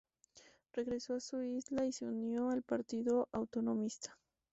Regresó a su isla y se unió al Partido Autonomista.